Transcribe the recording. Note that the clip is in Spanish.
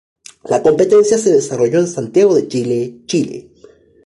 La competencia se desarrolló en Santiago de Chile, Chile.